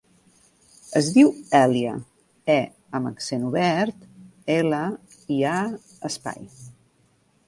Es diu Èlia : e amb accent obert, ela, i, a, espai.